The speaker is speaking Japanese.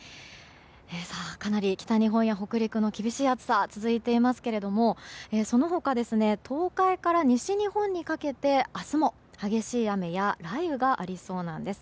かなり北日本や北陸の厳しい暑さが続いていますがその他東海から西日本にかけて明日も激しい雨や雷雨がありそうなんです。